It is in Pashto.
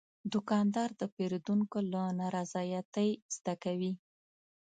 دوکاندار د پیرودونکو له نارضایتۍ زده کوي.